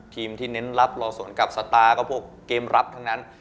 ทีมที่เน้นรับเราสวนกับสตาร์ก็พวกเกมรับทั้งนั้น